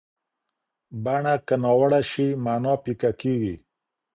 بڼه که ناوړه شي، معنا پیکه کېږي.